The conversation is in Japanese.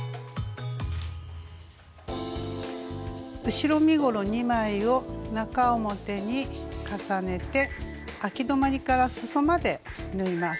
後ろ身ごろ２枚を中表に重ねてあき止まりからすそまで縫います。